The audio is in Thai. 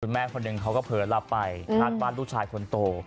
แม่คนหนึ่งเขาก็เผลอหลับไปคาดบ้านลูกชายคนโต